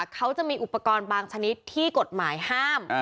เขาจะมีอุปกรณ์บางชนิดที่กฎหมายห้าม